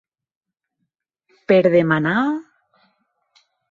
Per demanar...?